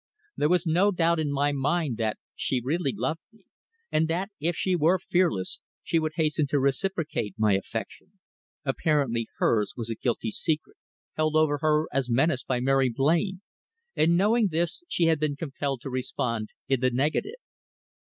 There was no doubt in my mind that she really loved me, and that, if she were fearless, she would hasten to reciprocate my affection. Apparently hers was a guilty secret, held over her as menace by Mary Blain, and knowing this she had been compelled to respond in the negative.